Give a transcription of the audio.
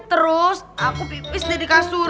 terus aku pipis jadi kasur